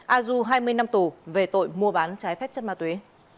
a du hai mươi năm tù về tội mua bán trái phép chất ma túy